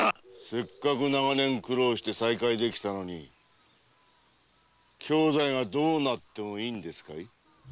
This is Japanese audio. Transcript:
せっかく長年苦労して再会できたのに妹弟がどうなってもいいんですかい？